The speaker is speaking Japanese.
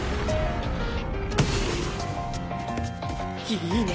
いいね！